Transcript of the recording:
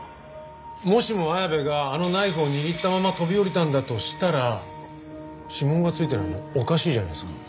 もしも綾部があのナイフを握ったまま飛び降りたんだとしたら指紋がついてないのおかしいじゃないですか。